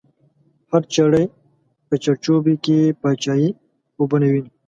هر چړی په چړ چوبی کی، پاچایی خوبونه وینی